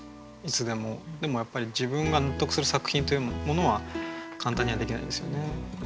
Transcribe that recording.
でもやっぱり自分が納得する作品というものは簡単にはできないですよね。